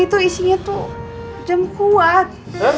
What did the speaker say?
ini tuh isinya tuh jamu kuat